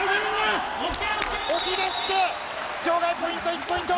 押し出して場外ポイント１ポイント。